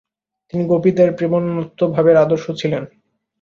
তিনি গোপীদের প্রেমোন্মত্ত ভাবের আদর্শ ছিলেন।